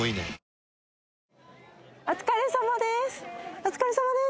お疲れさまです